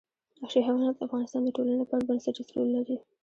وحشي حیوانات د افغانستان د ټولنې لپاره بنسټيز رول لري.